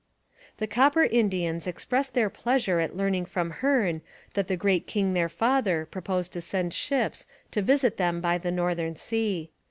The Copper Indians expressed their pleasure at learning from Hearne that the great king their father proposed to send ships to visit them by the northern sea.